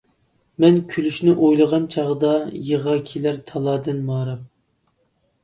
مەن كۈلۈشنى ئويلىغان چاغدا، يىغا كېلەر تالادىن ماراپ.